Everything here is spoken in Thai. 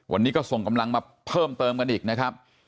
วันนี้ก็ส่งกำลังมาเพิ่มเติมกันอีกนะครับ